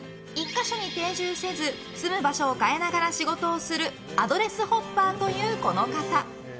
か所に定住せず住む場所を変えながら仕事をするアドレスホッパーというこの方。